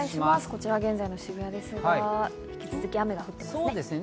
こちら現在の渋谷ですが、引き続き雨が降っていますね。